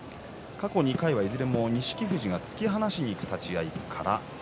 過去２回はいずれも錦富士が突き放しにいく立ち合い。